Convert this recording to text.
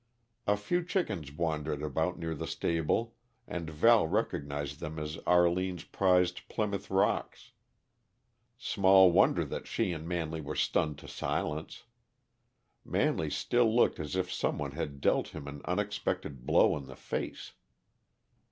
A few chickens wandered about near the stable, and Val recognized them as Arline's prized Plymouth Rocks. Small wonder that she and Manley were stunned to silence. Manley still looked as if some one had dealt him an unexpected blow in the face.